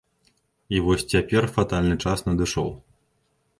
І вось цяпер фатальны час надышоў.